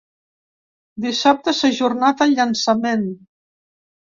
Dissabte s’ha ajornat el llançament.